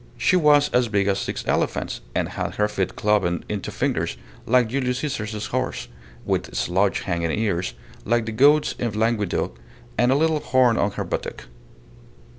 She was as big as six elephants, and had her feet cloven into fingers, like Julius Caesar's horse, with slouch hanging ears, like the goats in Languedoc, and a little horn on her buttock.